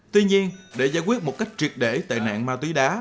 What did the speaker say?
tuy nhiên để giải quyết một cách triệt để tệ nạn ma túy đá